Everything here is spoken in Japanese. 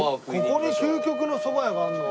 ここに究極のそば屋があるの？